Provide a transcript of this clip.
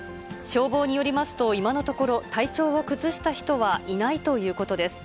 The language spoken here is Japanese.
消防によりますと、今のところ、体調を崩した人はいないということです。